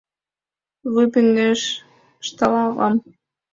Вуй пеҥеш... — ышталам.